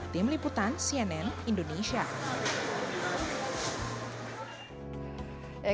tim liputan cnn indonesia